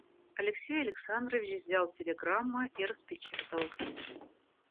Алексей Александрович взял телеграммы и распечатал.